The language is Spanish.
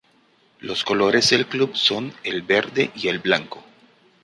Los colores del club son el verde y el blanco.